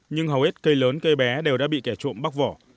nhưng hầu hết cây lớn cây bé đều đã bị kẻ trộm vóc vỏ